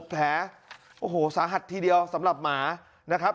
แผลโอ้โหสาหัสทีเดียวสำหรับหมานะครับ